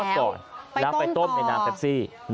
ครับคือท็อดต่อแล้วไปต้มน้ำเปปซี่